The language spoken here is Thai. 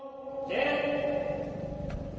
สโลสโลอัพ